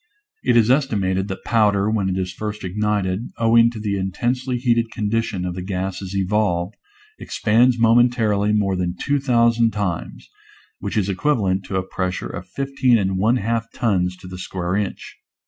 It is esti mated that powder, when it is first ignited, owing to the intensely heated condition of the gases evolved, expands momentarily more than 2,000 times — which is equivalent to a pressure of fifteen and one half tons to the square inch.